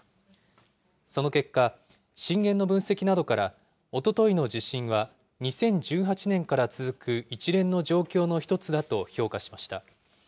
その結果、震源の分析などから、おとといの地震は２０１８年から続く一連の状況の一つだと評価しました。